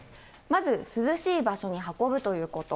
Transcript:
まず涼しい場所に運ぶということ。